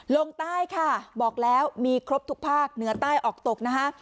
ลงใต้ค่ะบอกแล้วมีครบทุกภาคเหนือใต้ออกตกนะคะ